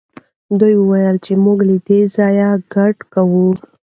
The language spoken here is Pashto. دوی وویل چې موږ له دې ځایه کډه کوو.